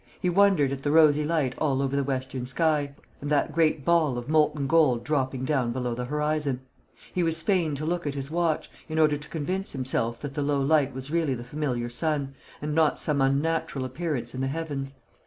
He wondered at the rosy light all over the western sky, and that great ball of molten gold dropping down below the horizon. He was fain to look at his watch, in order to convince himself that the low light was really the familiar sun, and not some unnatural appearance in the heavens.